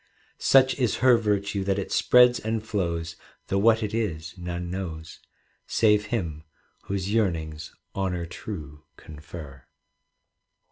Such is her virtue that it spreads and flows, Though what it is none knows. Save him whose yearnings honour true confer.